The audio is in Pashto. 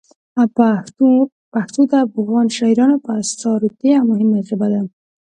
پښتو د افغان شاعرانو په اثارو کې یوه مهمه ژبه ده.